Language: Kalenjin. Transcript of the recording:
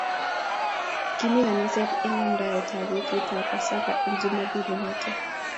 Kimii kaniset eng amndaet ab betut ab pasaka eng jumambili noto